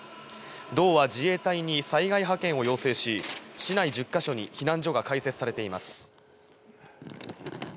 道は自衛隊に災害派遣を要請し、市内１０ヶ所に避難所が開設されています。